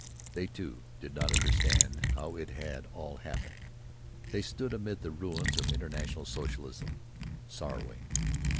They, too, did not understand how it had all happened; they stood amid the ruins of international socialism, sorrowing.